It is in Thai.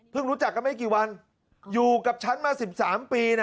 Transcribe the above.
เพิ่งรู้จักกันไม่กี่วันอยู่กับฉันมา๑๓ปีเนี่ย